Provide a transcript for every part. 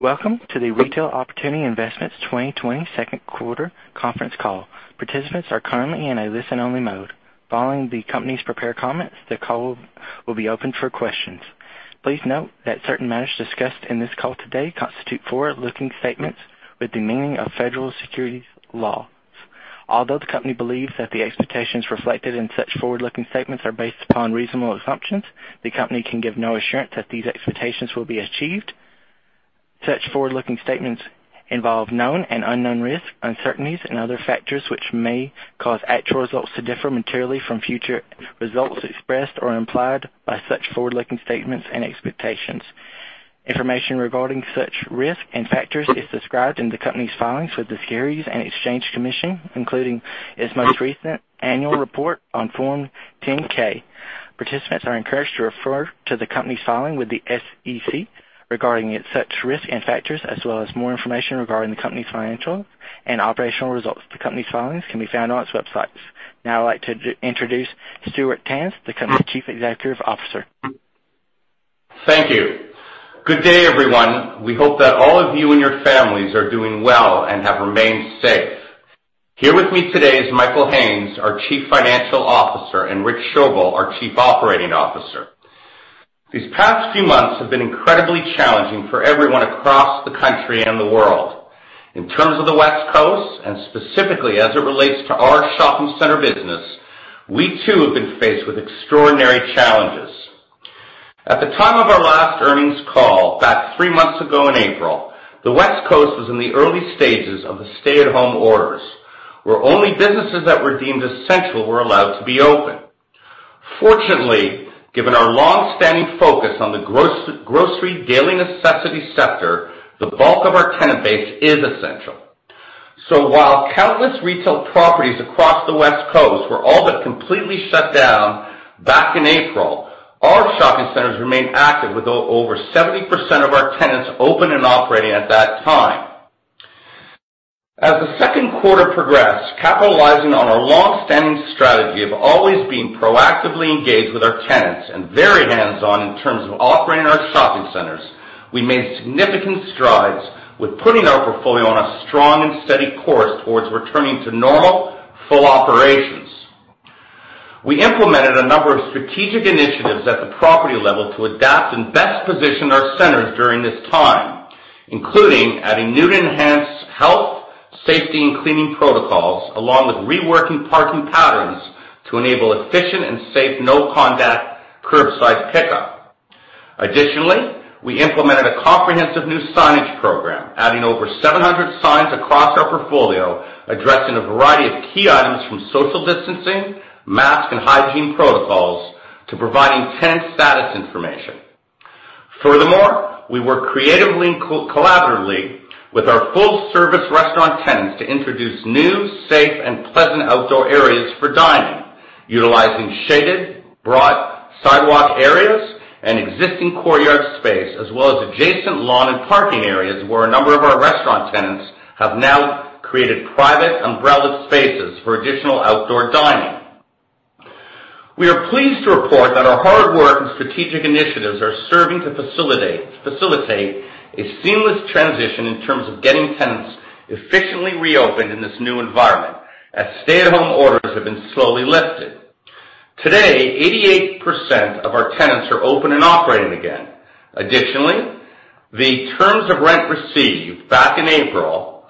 Welcome to the Retail Opportunity Investments 2020 second quarter conference call. Participants are currently in a listen-only mode. Following the company's prepared comments, the call will be open for questions. Please note that certain matters discussed in this call today constitute forward-looking statements with the meaning of federal securities law. Although the company believes that the expectations reflected in such forward-looking statements are based upon reasonable assumptions, the company can give no assurance that these expectations will be achieved. Such forward-looking statements involve known and unknown risks, uncertainties, and other factors which may cause actual results to differ materially from future results expressed or implied by such forward-looking statements and expectations. Information regarding such risks and factors is described in the company's filings with the Securities and Exchange Commission, including its most recent annual report on Form 10-K. Participants are encouraged to refer to the company's filing with the SEC regarding such risks and factors as well as more information regarding the company's financial and operational results. The company's filings can be found on its websites. Now I'd like to introduce Stuart Tanz, the company's chief executive officer. Thank you. Good day, everyone. We hope that all of you and your families are doing well and have remained safe. Here with me today is Michael Haines, our Chief Financial Officer, and Rich Schoebel, our Chief Operating Officer. These past few months have been incredibly challenging for everyone across the country and the world. In terms of the West Coast, and specifically as it relates to our shopping center business, we too have been faced with extraordinary challenges. At the time of our last earnings call back three months ago in April, the West Coast was in the early stages of the stay-at-home orders, where only businesses that were deemed essential were allowed to be open. Fortunately, given our long-standing focus on the grocery daily necessities sector, the bulk of our tenant base is essential. While countless retail properties across the West Coast were all but completely shut down back in April, our shopping centers remained active with over 70% of our tenants open and operating at that time. As the second quarter progressed, capitalizing on our long-standing strategy of always being proactively engaged with our tenants and very hands-on in terms of operating our shopping centers, we made significant strides with putting our portfolio on a strong and steady course towards returning to normal, full operations. We implemented a number of strategic initiatives at the property level to adapt and best position our centers during this time, including adding new enhanced health, safety, and cleaning protocols, along with reworking parking patterns to enable efficient and safe no-contact curbside pickup. Additionally, we implemented a comprehensive new signage program, adding over 700 signs across our portfolio, addressing a variety of key items from social distancing, mask, and hygiene protocols to providing tenant status information. Furthermore, we worked creatively and collaboratively with our full-service restaurant tenants to introduce new, safe, and pleasant outdoor areas for dining, utilizing shaded, broad sidewalk areas and existing courtyard space, as well as adjacent lawn and parking areas where a number of our restaurant tenants have now created private umbrella spaces for additional outdoor dining. We are pleased to report that our hard work and strategic initiatives are serving to facilitate a seamless transition in terms of getting tenants efficiently reopened in this new environment as stay-at-home orders have been slowly lifted. Today, 88% of our tenants are open and operating again. Additionally, the terms of rent received back in April,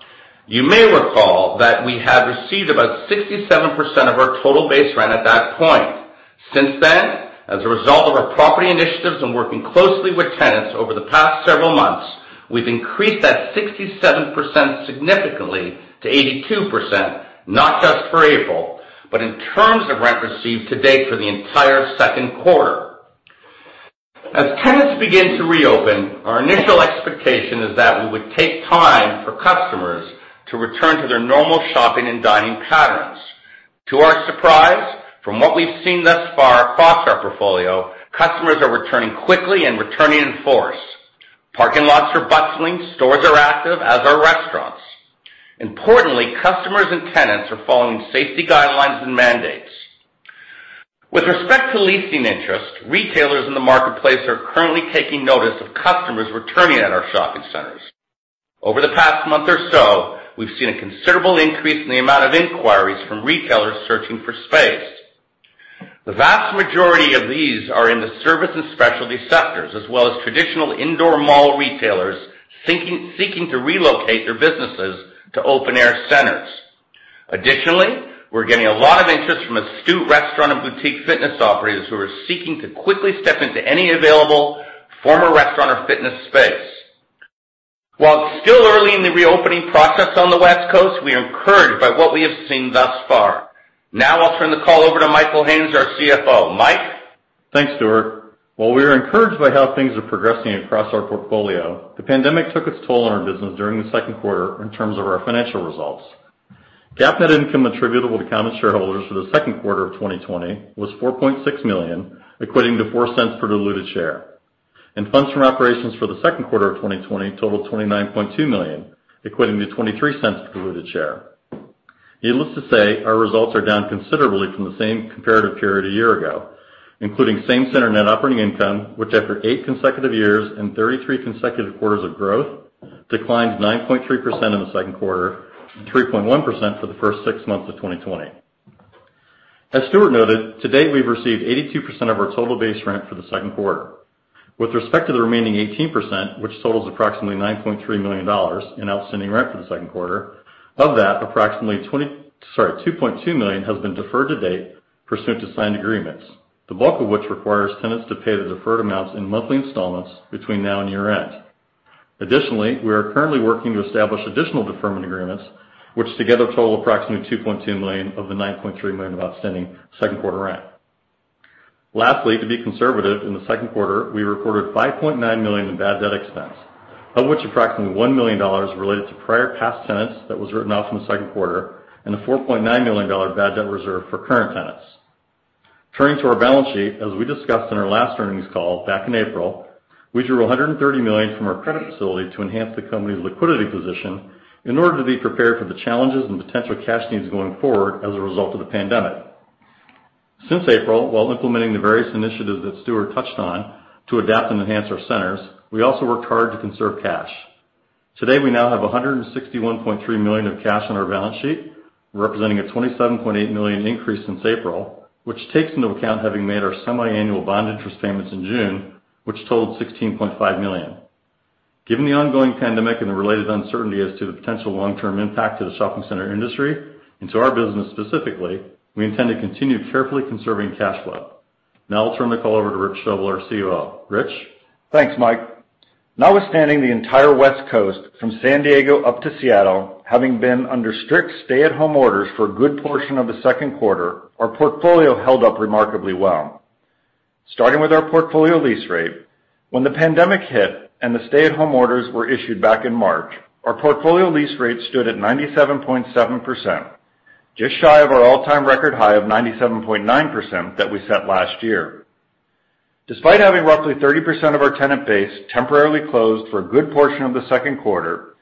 you may recall that we had received about 67% of our total base rent at that point. Since then, as a result of our property initiatives and working closely with tenants over the past several months, we've increased that 67% significantly to 82%, not just for April, but in terms of rent received to date for the entire second quarter. As tenants begin to reopen, our initial expectation is that it would take time for customers to return to their normal shopping and dining patterns. To our surprise, from what we've seen thus far across our portfolio, customers are returning quickly and returning in force. Parking lots are bustling. Stores are active, as are restaurants. Importantly, customers and tenants are following safety guidelines and mandates. With respect to leasing interest, retailers in the marketplace are currently taking notice of customers returning at our shopping centers. Over the past month or so, we've seen a considerable increase in the amount of inquiries from retailers searching for space. The vast majority of these are in the service and specialty sectors, as well as traditional indoor mall retailers seeking to relocate their businesses to open-air centers. Additionally, we're getting a lot of interest from astute restaurant and boutique fitness operators who are seeking to quickly step into any available former restaurant or fitness space. While it's still early in the reopening process on the West Coast, we are encouraged by what we have seen thus far. Now I'll turn the call over to Michael Haines, our CFO. Mike? Thanks, Stuart. While we are encouraged by how things are progressing across our portfolio, the pandemic took its toll on our business during the second quarter in terms of our financial results. GAAP net income attributable to common shareholders for the second quarter of 2020 was $4.6 million, equating to $0.04 per diluted share. Funds from operations for the second quarter of 2020 totaled $29.2 million, equating to $0.23 per diluted share. Needless to say, our results are down considerably from the same comparative period a year ago, including same center net operating income, which after eight consecutive years and 33 consecutive quarters of growth, declined 9.3% in the second quarter and 3.1% for the first six months of 2020. As Stuart noted, to date, we've received 82% of our total base rent for the second quarter. With respect to the remaining 18%, which totals approximately $9.3 million in outstanding rent for the second quarter. Of that, approximately $2.2 million has been deferred to date pursuant to signed agreements. The bulk of which requires tenants to pay the deferred amounts in monthly installments between now and year-end. Additionally, we are currently working to establish additional deferment agreements, which together total approximately $2.2 million of the $9.3 million of outstanding second quarter rent. Lastly, to be conservative, in the second quarter, we recorded $5.9 million in bad debt expense, of which approximately $1 million related to prior past tenants that was written off in the second quarter, and the $4.9 million bad debt reserve for current tenants. Turning to our balance sheet, as we discussed in our last earnings call back in April, we drew $130 million from our credit facility to enhance the company's liquidity position in order to be prepared for the challenges and potential cash needs going forward as a result of the pandemic. Since April, while implementing the various initiatives that Stuart touched on to adapt and enhance our centers, we also worked hard to conserve cash. Today, we now have $161.3 million of cash on our balance sheet, representing a $27.8 million increase since April, which takes into account having made our semiannual bond interest payments in June, which totaled $16.5 million. Given the ongoing pandemic and the related uncertainty as to the potential long-term impact to the shopping center industry and to our business specifically, we intend to continue carefully conserving cash flow. Now I'll turn the call over to Rich Schoebel, our COO. Rich? Thanks, Mike. Notwithstanding the entire West Coast from San Diego up to Seattle having been under strict stay-at-home orders for a good portion of the second quarter, our portfolio held up remarkably well. Starting with our portfolio lease rate, when the pandemic hit and the stay-at-home orders were issued back in March, our portfolio lease rate stood at 97.7%, just shy of our all-time record high of 97.9% that we set last year. Despite having roughly 30% of our tenant base temporarily closed for a good portion of the second quarter,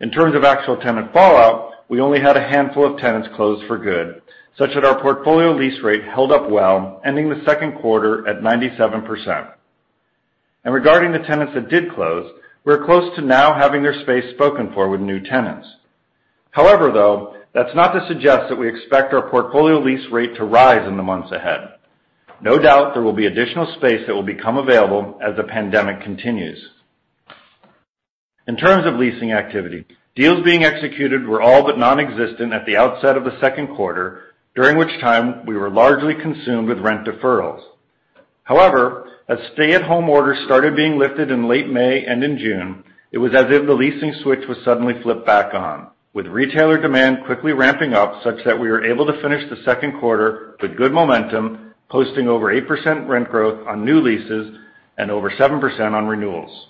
in terms of actual tenant fallout, we only had a handful of tenants close for good, such that our portfolio lease rate held up well, ending the second quarter at 97%. Regarding the tenants that did close, we're close to now having their space spoken for with new tenants. Though, that's not to suggest that we expect our portfolio lease rate to rise in the months ahead. No doubt there will be additional space that will become available as the pandemic continues. In terms of leasing activity, deals being executed were all but nonexistent at the outset of the second quarter, during which time we were largely consumed with rent deferrals. As stay-at-home orders started being lifted in late May and in June, it was as if the leasing switch was suddenly flipped back on, with retailer demand quickly ramping up such that we were able to finish the second quarter with good momentum, posting over 8% rent growth on new leases and over 7% on renewals.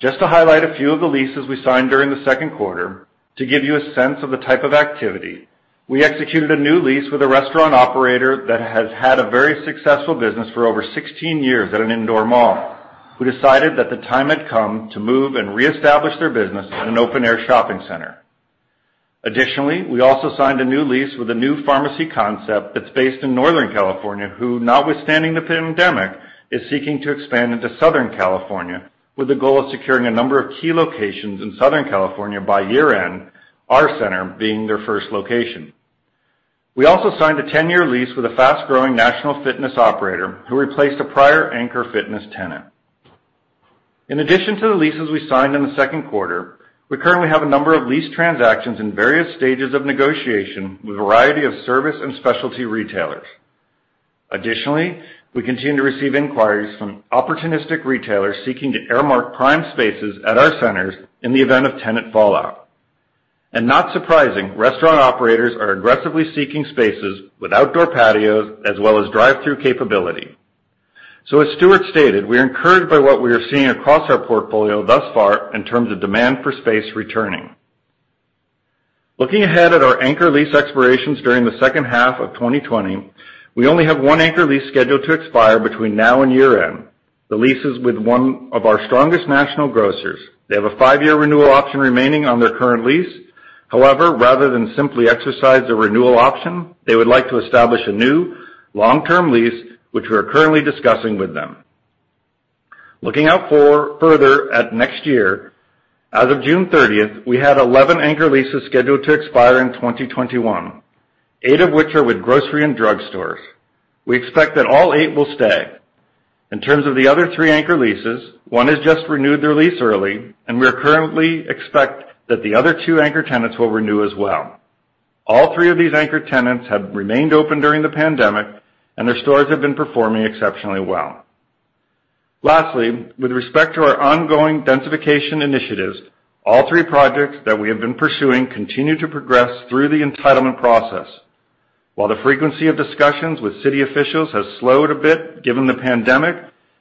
Just to highlight a few of the leases we signed during the second quarter. To give you a sense of the type of activity, we executed a new lease with a restaurant operator that has had a very successful business for over 16 years at an indoor mall, who decided that the time had come to move and reestablish their business in an open-air shopping center. Additionally, we also signed a new lease with a new pharmacy concept that's based in Northern California, who, notwithstanding the pandemic, is seeking to expand into Southern California with the goal of securing a number of key locations in Southern California by year-end, our center being their first location. We also signed a 10-year lease with a fast-growing national fitness operator who replaced a prior anchor fitness tenant. In addition to the leases we signed in the second quarter, we currently have a number of lease transactions in various stages of negotiation with a variety of service and specialty retailers. Additionally, we continue to receive inquiries from opportunistic retailers seeking to earmark prime spaces at our centers in the event of tenant fallout. Not surprising, restaurant operators are aggressively seeking spaces with outdoor patios as well as drive-thru capability. As Stuart stated, we are encouraged by what we are seeing across our portfolio thus far in terms of demand for space returning. Looking ahead at our anchor lease expirations during the second half of 2020, we only have one anchor lease scheduled to expire between now and year-end. The lease is with one of our strongest national grocers. They have a five-year renewal option remaining on their current lease. However, rather than simply exercise the renewal option, they would like to establish a new long-term lease, which we're currently discussing with them. Looking out further at next year, as of June 30th, we had 11 anchor leases scheduled to expire in 2021, eight of which are with grocery and drug stores. We expect that all eight will stay. In terms of the other three anchor leases, one has just renewed their lease early, and we currently expect that the other two anchor tenants will renew as well. All three of these anchor tenants have remained open during the pandemic, and their stores have been performing exceptionally well. Lastly, with respect to our ongoing densification initiatives, all three projects that we have been pursuing continue to progress through the entitlement process. While the frequency of discussions with city officials has slowed a bit given the pandemic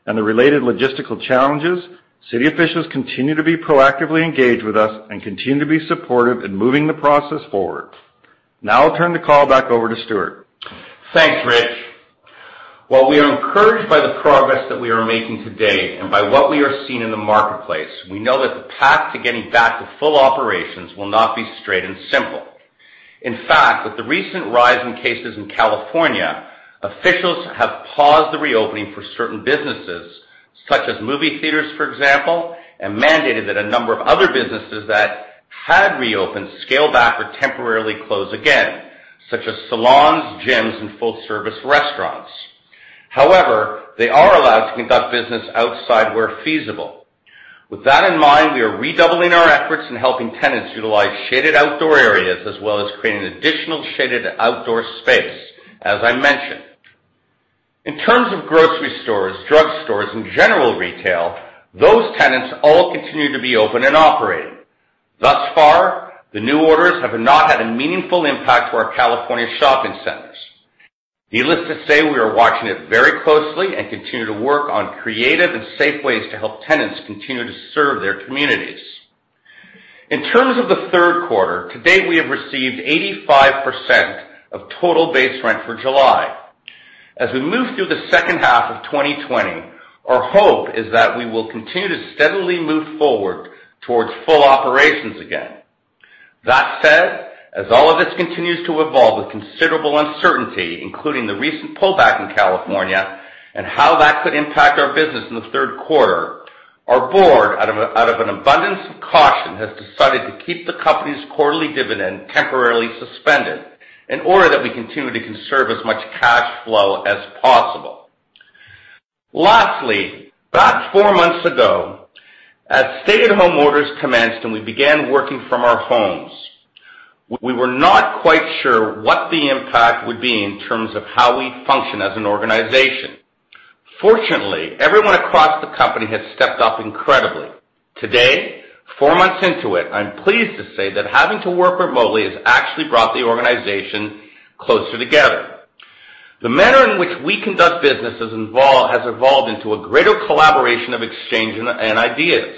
and the related logistical challenges, city officials continue to be proactively engaged with us and continue to be supportive in moving the process forward. I'll turn the call back over to Stuart. Thanks, Rich. While we are encouraged by the progress that we are making today and by what we are seeing in the marketplace, we know that the path to getting back to full operations will not be straight and simple. In fact, with the recent rise in cases in California, officials have paused the reopening for certain businesses, such as movie theaters, for example, and mandated that a number of other businesses that had reopened scale back or temporarily close again, such as salons, gyms, and full-service restaurants. However, they are allowed to conduct business outside where feasible. With that in mind, we are redoubling our efforts in helping tenants utilize shaded outdoor areas, as well as creating additional shaded outdoor space, as I mentioned. In terms of grocery stores, drug stores, and general retail, those tenants all continue to be open and operating. Thus far, the new orders have not had a meaningful impact to our California shopping centers. Needless to say, we are watching it very closely and continue to work on creative and safe ways to help tenants continue to serve their communities. In terms of the third quarter, to date, we have received 85% of total base rent for July. As we move through the second half of 2020, our hope is that we will continue to steadily move forward towards full operations again. That said, as all of this continues to evolve with considerable uncertainty, including the recent pullback in California and how that could impact our business in the third quarter, our board, out of an abundance of caution, has decided to keep the company's quarterly dividend temporarily suspended in order that we continue to conserve as much cash flow as possible. Lastly, about four months ago, as stay-at-home orders commenced and we began working from our homes, we were not quite sure what the impact would be in terms of how we function as an organization. Fortunately, everyone across the company has stepped up incredibly. Today, four months into it, I'm pleased to say that having to work remotely has actually brought the organization closer together. The manner in which we conduct business has evolved into a greater collaboration of exchange and ideas.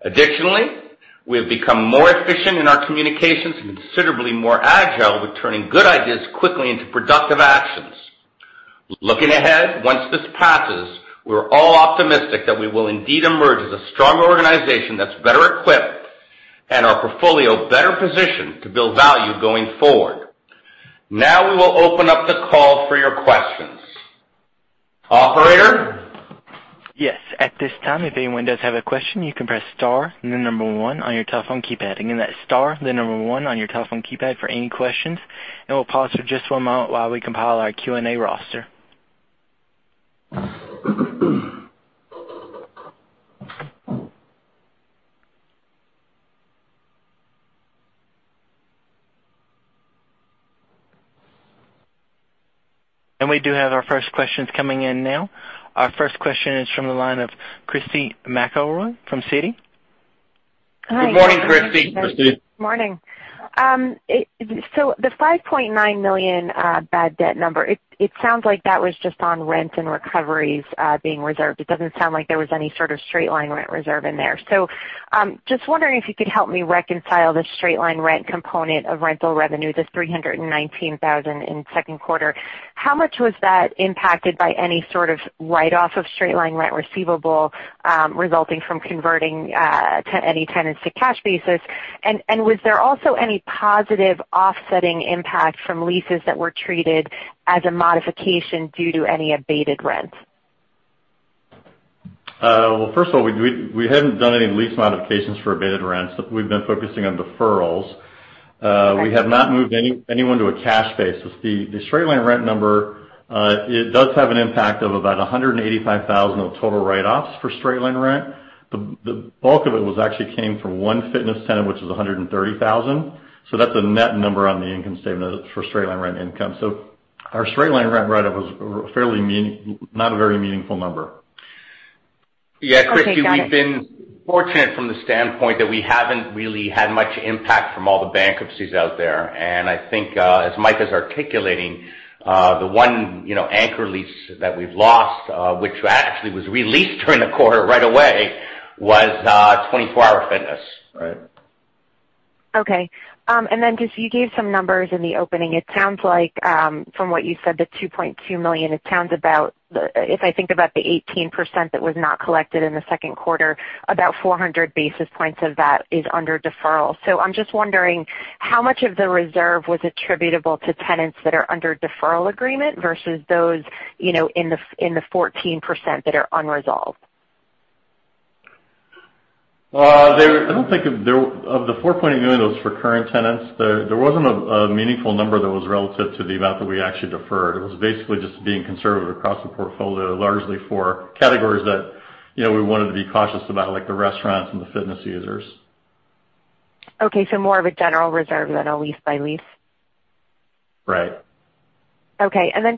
Additionally, we have become more efficient in our communications and considerably more agile with turning good ideas quickly into productive actions. Looking ahead, once this passes, we're all optimistic that we will indeed emerge as a stronger organization that's better equipped and our portfolio better positioned to build value going forward. Now we will open up the call for your questions. Operator? Yes. At this time, if anyone does have a question, you can press star and the number one on your telephone keypad. Again, that's star, the number one on your telephone keypad for any questions, and we'll pause for just one moment while we compile our Q&A roster. We do have our first questions coming in now. Our first question is from the line of Christy McElroy from Citi. Good morning, Christy. Christy. Morning. The $5.9 million bad debt number, it sounds like that was just on rent and recoveries being reserved. It doesn't sound like there was any sort of straight-line rent reserve in there. Just wondering if you could help me reconcile the straight-line rent component of rental revenue, the $319,000 in second quarter. How much was that impacted by any sort of write-off of straight-line rent receivable resulting from converting any tenants to cash basis? Was there also any positive offsetting impact from leases that were treated as a modification due to any abated rent? Well, first of all, we haven't done any lease modifications for abated rent. We've been focusing on deferrals. Okay. We have not moved anyone to a cash basis. The straight-line rent number does have an impact of about $185,000 of total write-offs for straight-line rent. The bulk of it actually came from one fitness tenant, which was $130,000. That's a net number on the income statement for straight-line rent income. Our straight-line rent write-off was not a very meaningful number. Yeah, Christy. Okay, got it. we've been fortunate from the standpoint that we haven't really had much impact from all the bankruptcies out there. I think, as Mike is articulating, the one anchor lease that we've lost, which actually was re-leased during the quarter right away, was 24 Hour Fitness. Right. Okay. Because you gave some numbers in the opening, it sounds like from what you said, the $2.2 million, it sounds about, if I think about the 18% that was not collected in the second quarter, about 400 basis points of that is under deferral. I'm just wondering, how much of the reserve was attributable to tenants that are under deferral agreement versus those in the 14% that are unresolved? Of the $4.8 million that was for current tenants, there wasn't a meaningful number that was relative to the amount that we actually deferred. It was basically just being conservative across the portfolio, largely for categories that we wanted to be cautious about, like the restaurants and the fitness users. Okay, more of a general reserve than a lease by lease. Right. Okay.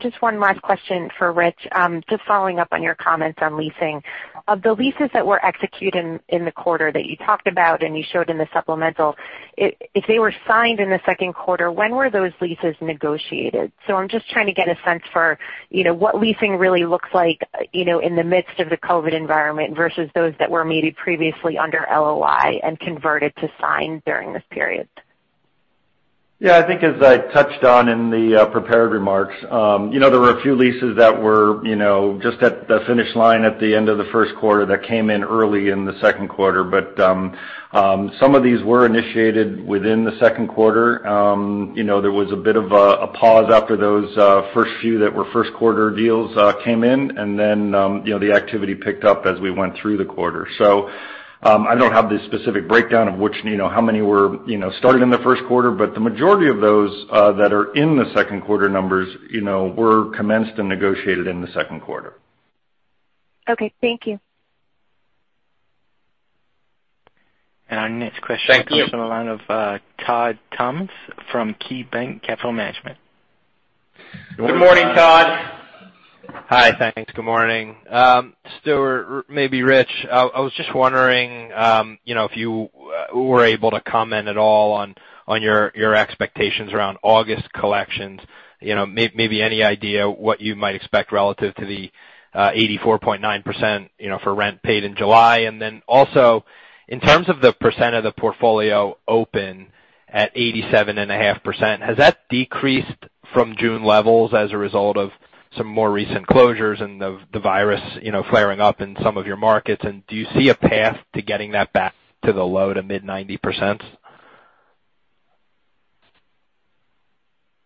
Just one last question for Rich, just following up on your comments on leasing. Of the leases that were executed in the quarter that you talked about and you showed in the supplemental, if they were signed in the second quarter, when were those leases negotiated? I'm just trying to get a sense for what leasing really looks like in the midst of the COVID environment versus those that were maybe previously under LOI and converted to signed during this period. Yeah, I think as I touched on in the prepared remarks, there were a few leases that were just at the finish line at the end of the first quarter that came in early in the second quarter. Some of these were initiated within the second quarter. There was a bit of a pause after those first few that were first quarter deals came in. The activity picked up as we went through the quarter. I don't have the specific breakdown of how many were started in the first quarter, but the majority of those that are in the second quarter numbers were commenced and negotiated in the second quarter. Okay, thank you. And our next question- Thank you. comes from the line of Todd Thomas from KeyBanc Capital Markets. Good morning, Todd. Hi. Thanks. Good morning. Stuart, maybe Rich, I was just wondering if you were able to comment at all on your expectations around August collections. Maybe any idea what you might expect relative to the 84.9% for rent paid in July. Then also, in terms of the percent of the portfolio open at 87.5%, has that decreased from June levels as a result of some more recent closures and the virus flaring up in some of your markets? Do you see a path to getting that back to the low to mid 90%?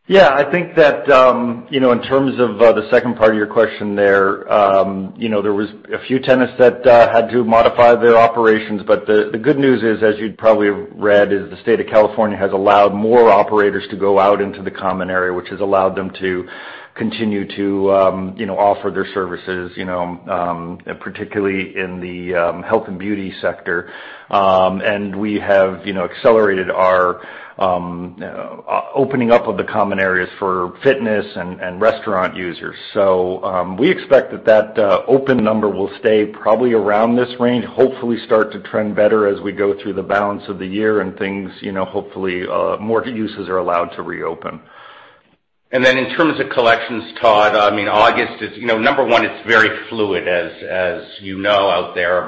Yeah, I think that in terms of the second part of your question there was a few tenants that had to modify their operations. The good news is, as you'd probably have read, is the state of California has allowed more operators to go out into the common area, which has allowed them to continue to offer their services, particularly in the health and beauty sector. We have accelerated our opening up of the common areas for fitness and restaurant users. We expect that that open number will stay probably around this range, hopefully start to trend better as we go through the balance of the year and hopefully more uses are allowed to reopen. Then in terms of collections, Todd, August is, number one, it's very fluid, as you know out there.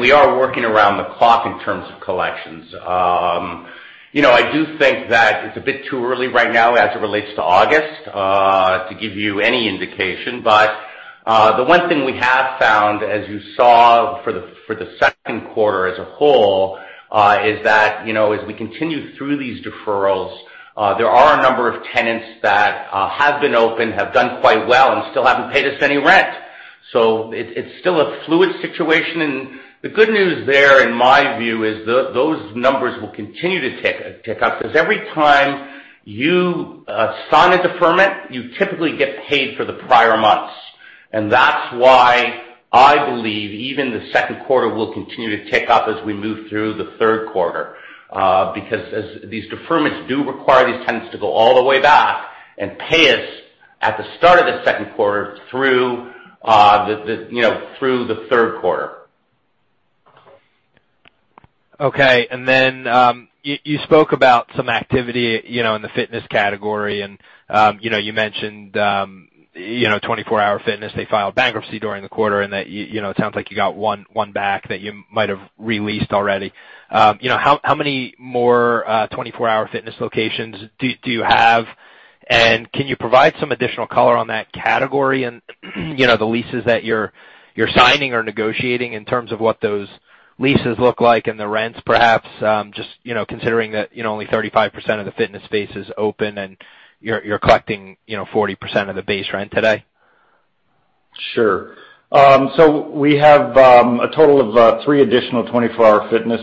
We are working around the clock in terms of collections. I do think that it's a bit too early right now as it relates to August to give you any indication. The one thing we have found, as you saw for the second quarter as a whole, is that as we continue through these deferrals, there are a number of tenants that have been open, have done quite well, and still haven't paid us any rent. It's still a fluid situation, and the good news there, in my view, is those numbers will continue to tick up, because every time you sign a deferment, you typically get paid for the prior months. That's why I believe even the second quarter will continue to tick up as we move through the third quarter. As these deferments do require these tenants to go all the way back and pay us at the start of the second quarter through the third quarter. Okay. You spoke about some activity in the fitness category, and you mentioned 24 Hour Fitness, they filed bankruptcy during the quarter, and it sounds like you got one back that you might have re-leased already. How many more 24 Hour Fitness locations do you have? Can you provide some additional color on that category and the leases that you're signing or negotiating in terms of what those leases look like and the rents, perhaps, just considering that only 35% of the fitness space is open and you're collecting 40% of the base rent today? Sure. We have a total of three additional 24 Hour Fitness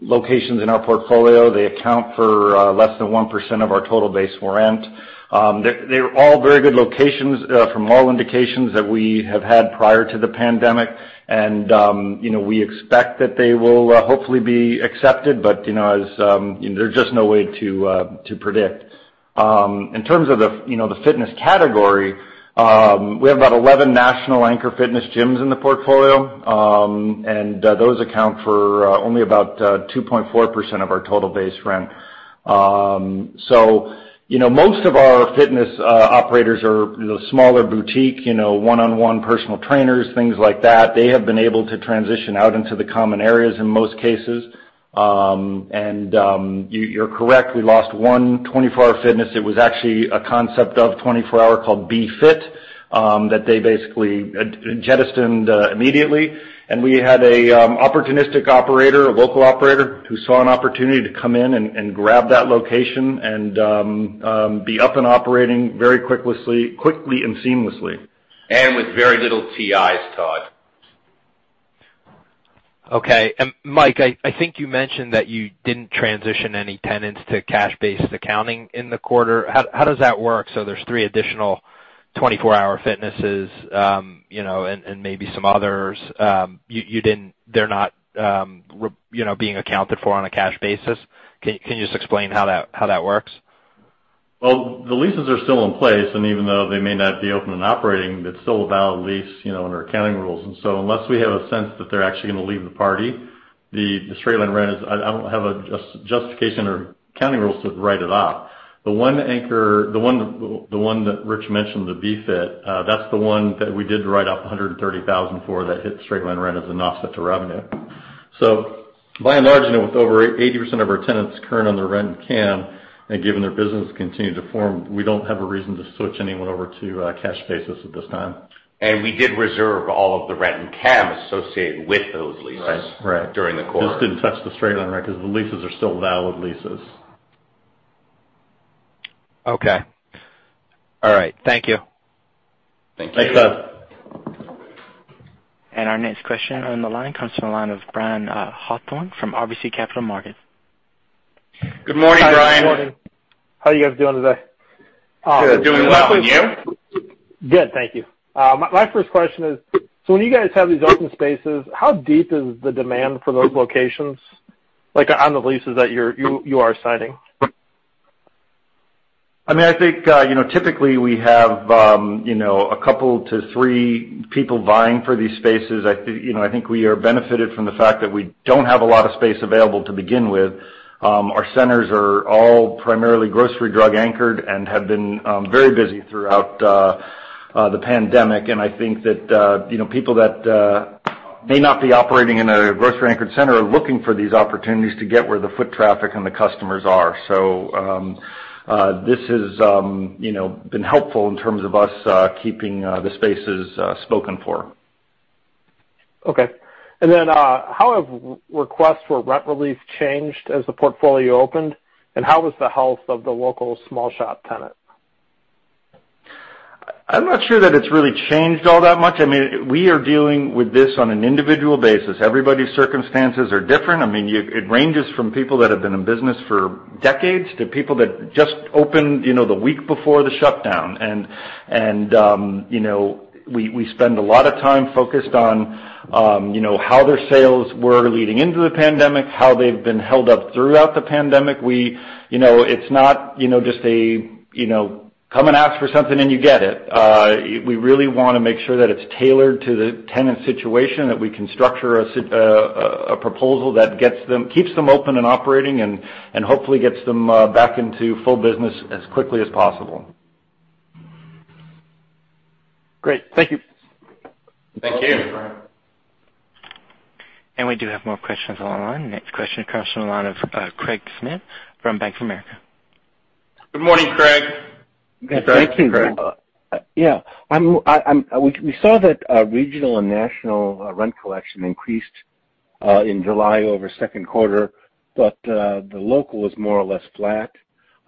locations in our portfolio. They account for less than 1% of our total base rent. They're all very good locations from all indications that we have had prior to the pandemic. We expect that they will hopefully be accepted, but there's just no way to predict. In terms of the fitness category, we have about 11 national anchor fitness gyms in the portfolio, and those account for only about 2.4% of our total base rent. Most of our fitness operators are smaller boutique, one-on-one personal trainers, things like that. They have been able to transition out into the common areas in most cases. You're correct, we lost one 24 Hour Fitness. It was actually a concept of 24 Hour called b.fit that they basically jettisoned immediately. We had an opportunistic operator, a local operator, who saw an opportunity to come in and grab that location and be up and operating very quickly and seamlessly. With very little TIs, Todd. Okay. Mike, I think you mentioned that you didn't transition any tenants to cash-based accounting in the quarter. How does that work? There's three additional 24 Hour Fitnesses, and maybe some others. They're not being accounted for on a cash basis? Can you just explain how that works? The leases are still in place, and even though they may not be open and operating, it's still a valid lease under accounting rules. Unless we have a sense that they're actually going to leave the party, the straight line rent is. I don't have a justification or accounting rules to write it off. The one anchor, the one that Rich mentioned, the b.fit, that's the one that we did write off $130,000 for that hit straight line rent as an offset to revenue. By and large, with over 80% of our tenants current on their rent and CAM, and given their business continued to form, we don't have a reason to switch anyone over to cash basis at this time. We did reserve all of the rent and CAM associated with those leases. Right during the quarter. Just didn't touch the straight line rent because the leases are still valid leases. Okay. All right. Thank you. Thank you. Thanks, Bud. Our next question on the line comes from the line of Brian Hawthorne from RBC Capital Markets. Good morning, Brian. Hi, good morning. How are you guys doing today? Good. Doing well, and you? Good, thank you. My first question is, when you guys have these open spaces, how deep is the demand for those locations, like on the leases that you are signing? I think, typically, we have a couple to three people vying for these spaces. I think we are benefited from the fact that we don't have a lot of space available to begin with. Our centers are all primarily grocery, drug anchored, and have been very busy throughout the pandemic. I think that people that may not be operating in a grocery anchored center are looking for these opportunities to get where the foot traffic and the customers are. This has been helpful in terms of us keeping the spaces spoken for. Okay. How have requests for rent relief changed as the portfolio opened? How is the health of the local small shop tenant? I'm not sure that it's really changed all that much. We are dealing with this on an individual basis. Everybody's circumstances are different. It ranges from people that have been in business for decades to people that just opened the week before the shutdown. We spend a lot of time focused on how their sales were leading into the pandemic, how they've been held up throughout the pandemic. It's not just a come and ask for something and you get it. We really want to make sure that it's tailored to the tenant's situation, that we can structure a proposal that keeps them open and operating, and hopefully gets them back into full business as quickly as possible. Great. Thank you. Thank you. Thank you, Brian. We do have more questions on the line. Next question comes from the line of Craig Schmidt from Bank of America. Good morning, Craig. Good morning, Craig. Yeah. We saw that regional and national rent collection increased in July over second quarter, but the local was more or less flat.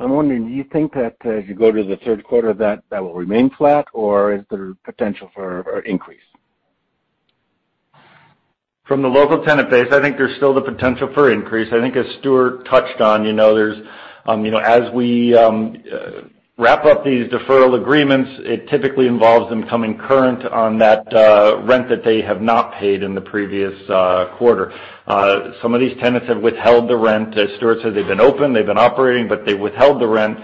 I'm wondering, do you think that as you go to the third quarter that that will remain flat, or is there potential for increase? From the local tenant base, I think there's still the potential for increase. I think as Stuart touched on, as we wrap up these deferral agreements, it typically involves them coming current on that rent that they have not paid in the previous quarter. Some of these tenants have withheld the rent. As Stuart said, they've been open, they've been operating, but they withheld the rent.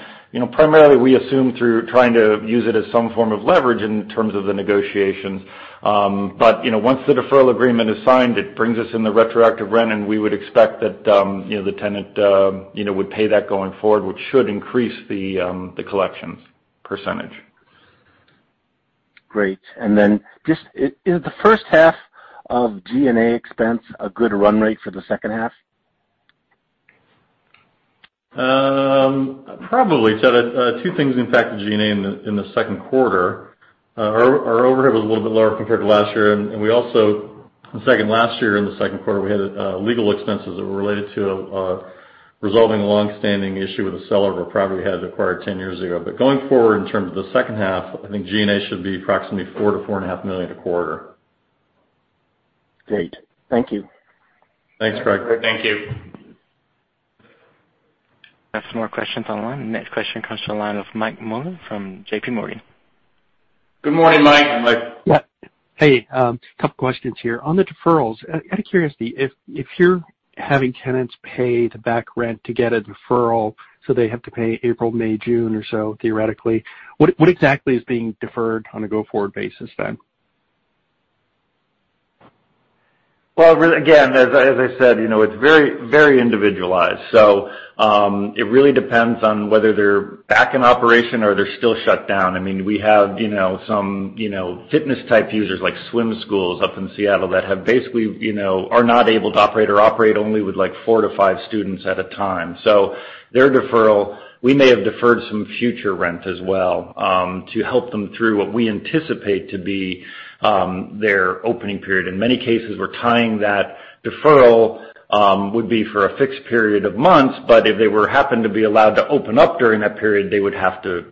Primarily, we assume through trying to use it as some form of leverage in terms of the negotiations. Once the deferral agreement is signed, it brings us in the retroactive rent, and we would expect that the tenant would pay that going forward, which should increase the collections percentage. Great. Just is the first half of G&A expense a good run rate for the second half? Probably. Two things impacted G&A in the second quarter. Our overhead was a little bit lower compared to last year, and we also, last year in the second quarter, we had legal expenses that were related to resolving a longstanding issue with a seller of a property we had acquired 10 years ago. Going forward, in terms of the second half, I think G&A should be approximately $4 million-$4.5 million a quarter. Great. Thank you. Thanks, Craig. Thank you. I have some more questions on the line. Next question comes to the line of Mike Mueller from JPMorgan. Good morning, Mike. Hi, Mike. Yeah. Hey, couple questions here. On the deferrals, out of curiosity, if you're having tenants pay the back rent to get a deferral, so they have to pay April, May, June or so, theoretically, what exactly is being deferred on a go-forward basis then? Again, as I said, it's very individualized. It really depends on whether they're back in operation or they're still shut down. We have some fitness type users, like swim schools up in Seattle that have basically are not able to operate or operate only with like four to five students at a time. Their deferral, we may have deferred some future rent as well, to help them through what we anticipate to be their opening period. In many cases, we're tying that deferral would be for a fixed period of months, if they happened to be allowed to open up during that period, they would have to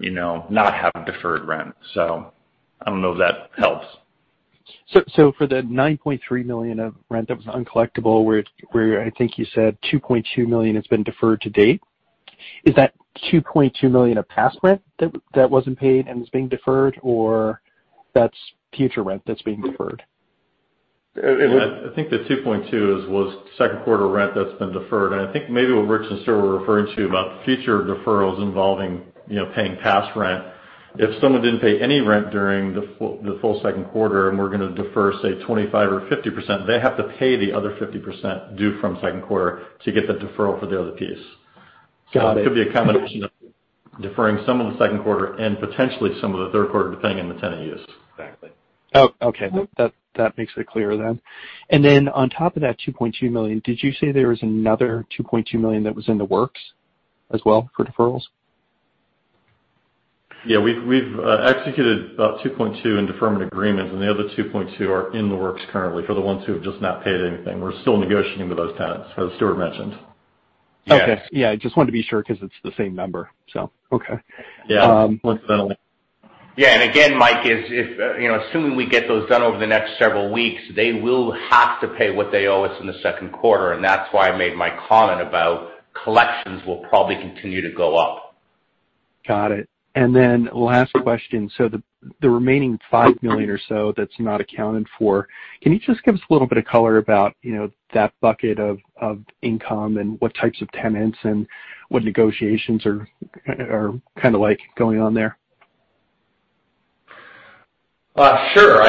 not have deferred rent. I don't know if that helps. For the $9.3 million of rent that was uncollectible, where I think you said $2.2 million has been deferred to date, is that $2.2 million of past rent that wasn't paid and is being deferred, or that's future rent that's being deferred? I think the $2.2 was second quarter rent that's been deferred, and I think maybe what Rich and Stuart were referring to about future deferrals involving paying past rent. If someone didn't pay any rent during the full second quarter, and we're going to defer, say 25% or 50%, they have to pay the other 50% due from second quarter to get the deferral for the other piece. Got it. It could be a combination of deferring some of the second quarter and potentially some of the third quarter, depending on the tenant use. Exactly. Okay. That makes it clear then. On top of that $2.2 million, did you say there was another $2.2 million that was in the works as well for deferrals? Yeah, we've executed about $2.2 in deferment agreements, and the other $2.2 are in the works currently for the ones who have just not paid anything. We're still negotiating with those tenants, as Stuart mentioned. Okay. Yeah, I just wanted to be sure because it's the same number. Okay. Yeah. Coincidentally. Yeah. Again, Mike, assuming we get those done over the next several weeks, they will have to pay what they owe us in the second quarter, and that's why I made my comment about collections will probably continue to go up. Got it. Then last question. The remaining $5 million or so that's not accounted for, can you just give us a little bit of color about that bucket of income and what types of tenants and what negotiations are kind of like going on there? Sure.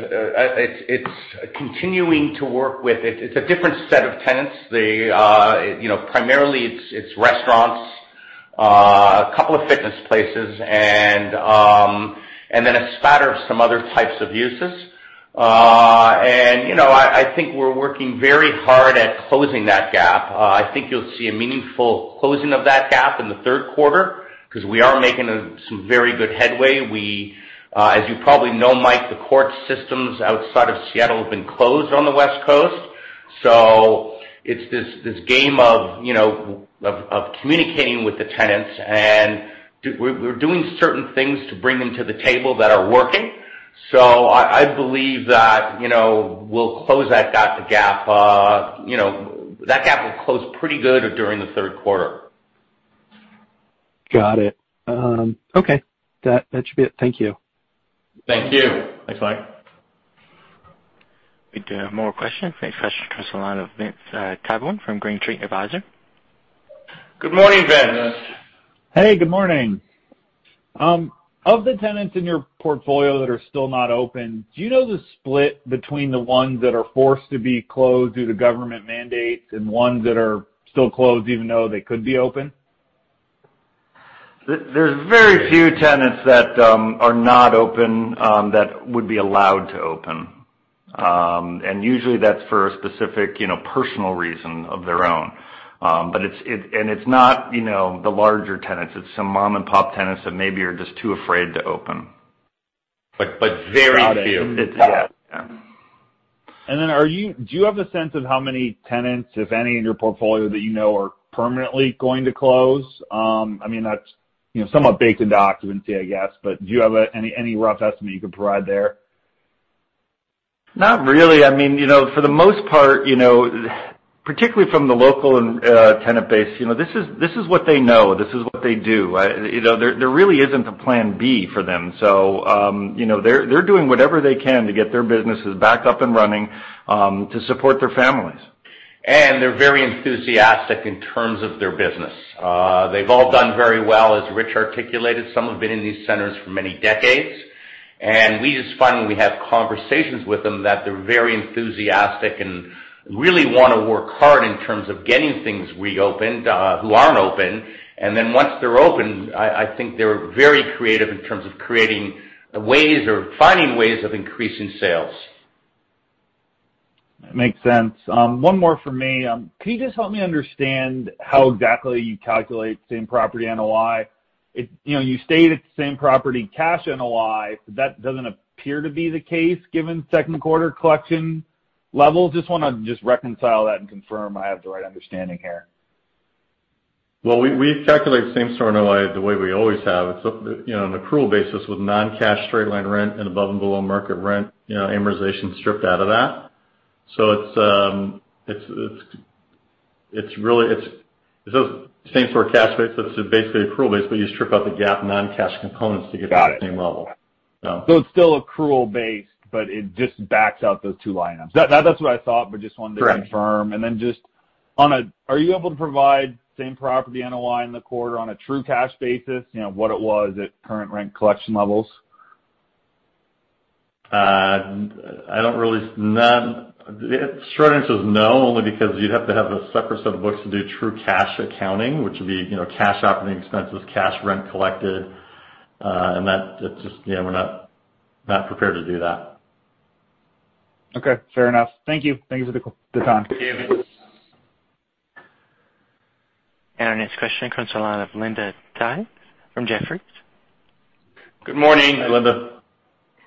It's continuing to work with a different set of tenants. Primarily, it's restaurants, a couple of fitness places, then a spatter of some other types of uses. I think we're working very hard at closing that gap. I think you'll see a meaningful closing of that gap in the third quarter because we are making some very good headway. As you probably know, Mike, the court systems outside of Seattle have been closed on the West Coast. It's this game of communicating with the tenants, and we're doing certain things to bring them to the table that are working. I believe that we'll close that gap. That gap will close pretty good during the third quarter. Got it. Okay. That should be it. Thank you. Thank you. Thanks, Mike. We do have more questions. Next question comes on the line of Vince Tibone from Green Street Advisors. Good morning, Vince. Good morning, Vince. Hey, good morning. Of the tenants in your portfolio that are still not open, do you know the split between the ones that are forced to be closed due to government mandates and ones that are still closed even though they could be open? There's very few tenants that are not open that would be allowed to open. Usually that's for a specific personal reason of their own. It's not the larger tenants. It's some mom-and-pop tenants that maybe are just too afraid to open. Very few. Got it. Yeah. Do you have a sense of how many tenants, if any, in your portfolio that you know are permanently going to close? That's somewhat baked into occupancy, I guess. Do you have any rough estimate you could provide there? Not really. For the most part, particularly from the local tenant base, this is what they know. This is what they do. There really isn't a plan B for them. They're doing whatever they can to get their businesses back up and running to support their families. They're very enthusiastic in terms of their business. They've all done very well, as Rich articulated. Some have been in these centers for many decades. We just find when we have conversations with them that they're very enthusiastic and really want to work hard in terms of getting things reopened who aren't open. Once they're open, I think they're very creative in terms of creating ways or finding ways of increasing sales. Makes sense. One more from me. Can you just help me understand how exactly you calculate same-property NOI? You stated same-property cash NOI. That doesn't appear to be the case given second quarter collection levels. Just want to reconcile that and confirm I have the right understanding here. Well, we calculate same-store NOI the way we always have. It's on an accrual basis with non-cash straight line rent and above and below market rent amortization stripped out of that. It says same-store cash basis. That's basically accrual basis, but you strip out the GAAP non-cash components to get to the same level. Got it. It's still accrual based, but it just backs out those two line items. That's what I thought, but just wanted to confirm. Correct. Are you able to provide same-property NOI in the quarter on a true cash basis, what it was at current rent collection levels? The short answer is no, only because you'd have to have a separate set of books to do true cash accounting, which would be cash operating expenses, cash rent collected. We're not prepared to do that. Okay. Fair enough. Thank you. Thanks for the time. Thank you. Our next question comes on the line of Linda Tsai from Jefferies. Good morning. Hi, Linda.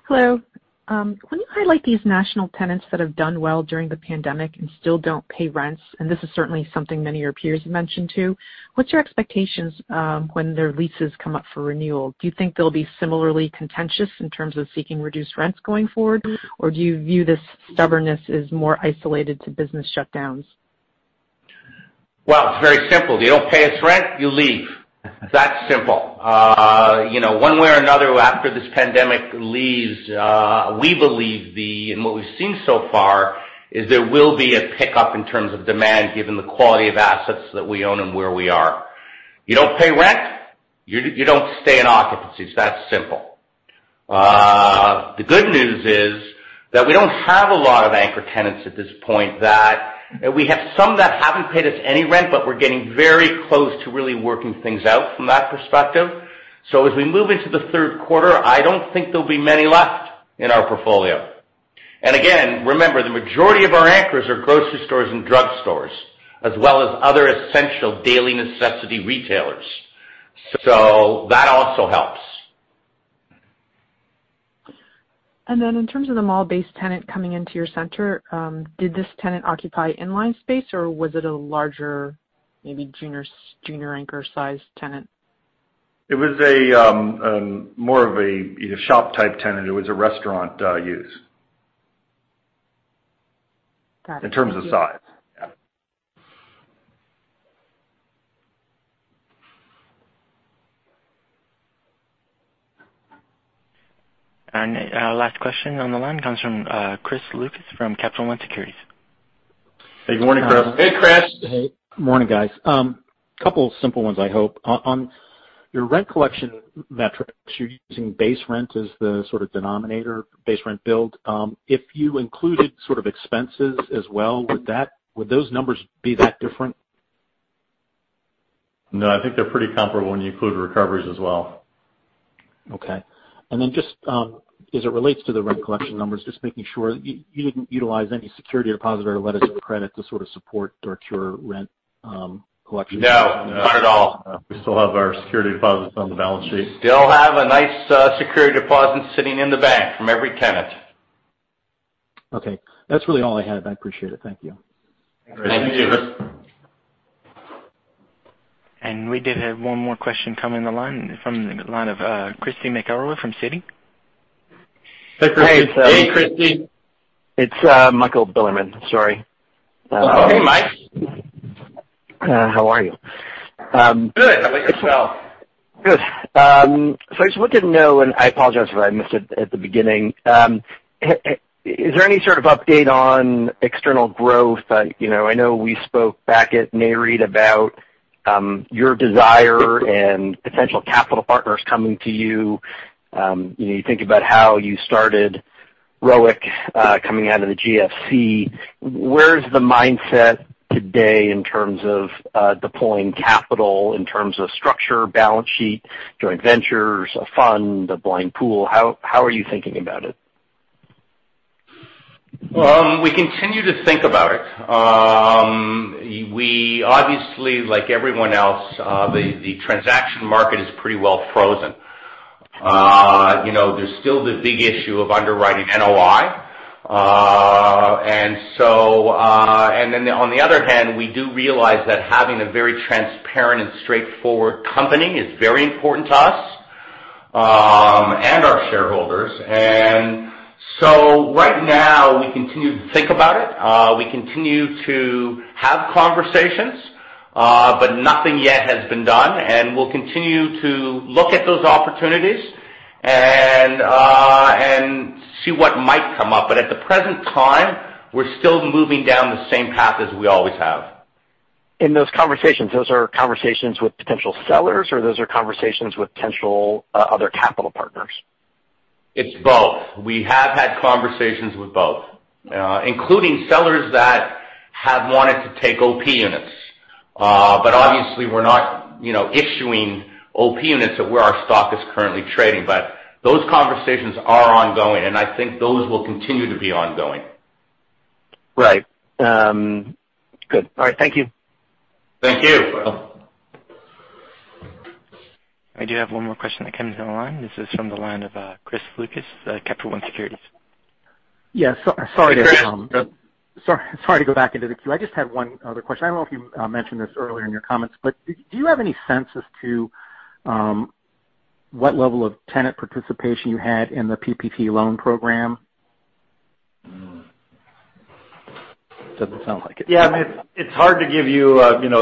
Hello. When you highlight these national tenants that have done well during the pandemic and still don't pay rents, and this is certainly something many of your peers have mentioned too, what's your expectations when their leases come up for renewal? Do you think they'll be similarly contentious in terms of seeking reduced rents going forward? Do you view this stubbornness as more isolated to business shutdowns? Well, it's very simple. You don't pay us rent, you leave. It's that simple. One way or another, after this pandemic leaves, we believe and what we've seen so far is there will be a pickup in terms of demand given the quality of assets that we own and where we are. You don't pay rent, you don't stay in occupancies. It's that simple. The good news is that we don't have a lot of anchor tenants at this point. We have some that haven't paid us any rent, but we're getting very close to really working things out from that perspective. As we move into the third quarter, I don't think there'll be many left in our portfolio. Again, remember, the majority of our anchors are grocery stores and drugstores, as well as other essential daily necessity retailers. That also helps. In terms of the mall-based tenant coming into your center, did this tenant occupy inline space, or was it a larger, maybe junior anchor size tenant? It was more of a shop-type tenant. It was a restaurant use. Got it. Thank you. In terms of size. Yeah. Last question on the line comes from Chris Lucas from Capital One Securities. Hey, good morning, Chris. Hey, Chris. Hey. Morning, guys. Couple simple ones, I hope. On your rent collection metrics, you're using base rent as the sort of denominator, base rent buld. If you included sort of expenses as well, would those numbers be that different? No, I think they're pretty comparable when you include recoveries as well. Okay. Just as it relates to the rent collection numbers, just making sure you didn't utilize any security deposit or letters of credit to sort of support or cure rent collection? No, not at all. We still have our security deposits on the balance sheet. Still have a nice security deposit sitting in the bank from every tenant. Okay. That's really all I had. I appreciate it. Thank you. Thank you, Chris. We did have one more question come in the line from the line of Christy McElroy from Citi. Hey, Christy. It's Michael Bilerman. Sorry. Oh, hey, Mike. How are you? Good. How about yourself? Good. I just wanted to know, and I apologize if I missed it at the beginning. Is there any sort of update on external growth? I know we spoke back at Nareit about your desire and potential capital partners coming to you. You think about how you started ROIC, coming out of the GFC. Where's the mindset today in terms of deploying capital, in terms of structure, balance sheet, joint ventures, a fund, a blind pool? How are you thinking about it? Well, we continue to think about it. We obviously, like everyone else, the transaction market is pretty well frozen. There's still the big issue of underwriting NOI. On the other hand, we do realize that having a very transparent and straightforward company is very important to us, and our shareholders. Right now, we continue to think about it. We continue to have conversations, but nothing yet has been done, and we'll continue to look at those opportunities and see what might come up. At the present time, we're still moving down the same path as we always have. In those conversations, those are conversations with potential sellers, or those are conversations with potential other capital partners? It's both. We have had conversations with both, including sellers that have wanted to take OP units. Obviously we're not issuing OP units where our stock is currently trading. Those conversations are ongoing, and I think those will continue to be ongoing. Right. Good. All right. Thank you. Thank you. I do have one more question that came in the line. This is from the line of Chris Lucas, Capital One Securities. Yeah. Sorry to go back into the queue. I just had one other question. I don't know if you mentioned this earlier in your comments, but do you have any sense as to what level of tenant participation you had in the PPP loan program? Doesn't sound like it. Yeah. It's hard to give you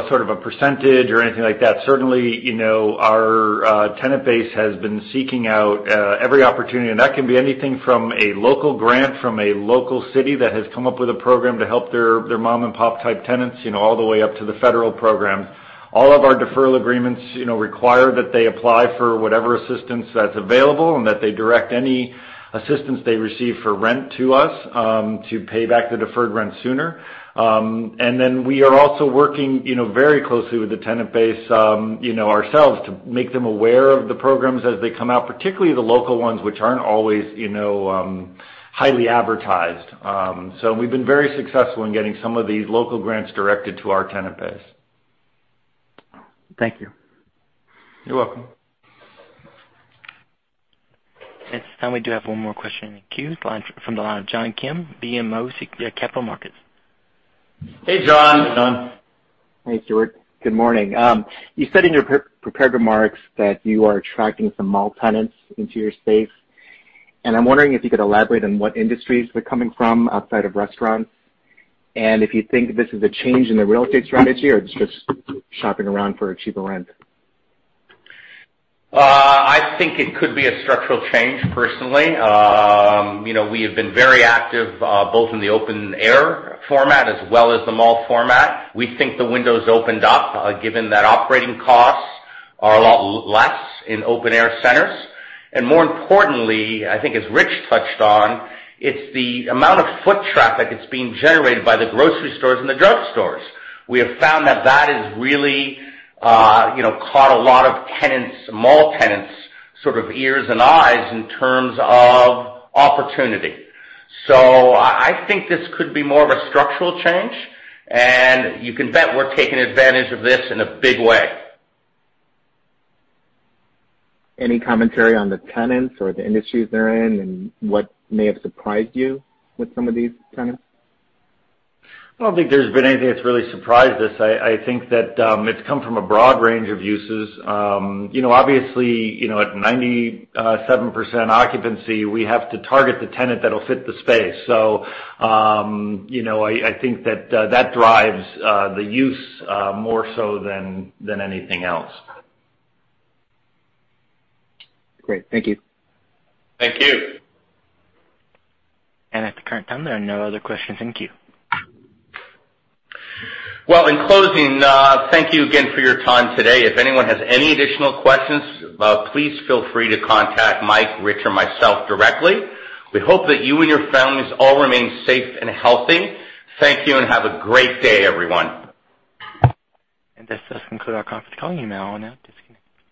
sort of a percentage or anything like that. Certainly, our tenant base has been seeking out every opportunity, and that can be anything from a local grant from a local city that has come up with a program to help their mom-and-pop type tenants all the way up to the federal program. All of our deferral agreements require that they apply for whatever assistance that's available and that they direct any assistance they receive for rent to us, to pay back the deferred rent sooner. We are also working very closely with the tenant base ourselves to make them aware of the programs as they come out, particularly the local ones, which aren't always highly advertised. We've been very successful in getting some of these local grants directed to our tenant base. Thank you. You're welcome. At this time, we do have one more question in the queue, from the line of John Kim, BMO Capital Markets. Hey, John. Hey, John. Hey, Stuart. Good morning. You said in your prepared remarks that you are attracting some mall tenants into your space, and I'm wondering if you could elaborate on what industries they're coming from outside of restaurants. If you think this is a change in the real estate strategy or it's just shopping around for a cheaper rent. I think it could be a structural change, personally. We have been very active, both in the open air format as well as the mall format. We think the window's opened up, given that operating costs are a lot less in open air centers. More importantly, I think as Rich touched on, it's the amount of foot traffic that's being generated by the grocery stores and the drugstores. We have found that that has really caught a lot of mall tenants' sort of ears and eyes in terms of opportunity. I think this could be more of a structural change, and you can bet we're taking advantage of this in a big way. Any commentary on the tenants or the industries they're in and what may have surprised you with some of these tenants? I don't think there's been anything that's really surprised us. I think that it's come from a broad range of uses. Obviously, at 97% occupancy, we have to target the tenant that'll fit the space. I think that drives the use more so than anything else. Great. Thank you. Thank you. At the current time, there are no other questions in queue. Well, in closing, thank you again for your time today. If anyone has any additional questions, please feel free to contact Mike, Rich, or myself directly. We hope that you and your families all remain safe and healthy. Thank you and have a great day, everyone. This does conclude our conference call. You may all now disconnect.